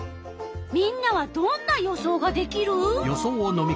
みんなはどんな予想ができる？